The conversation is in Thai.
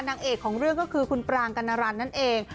นางเอกของเรื่องก็คือคุณปรางกัณรันนั่นเอง